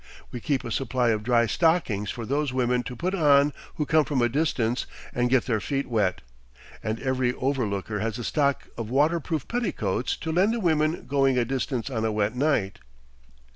We keep a supply of dry stockings for those women to put on who come from a distance and get their feet wet; and every overlooker has a stock of waterproof petticoats to lend the women going a distance on a wet night."